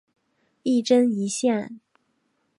一针一线